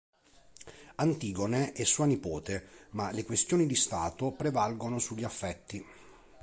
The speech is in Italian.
Antigone è sua nipote, ma le questioni di Stato prevalgono sugli affetti.